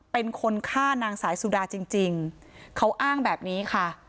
เป็นคนฆ่านางสายสุดาจริงเขาอ้างแบบนี้ค่ะ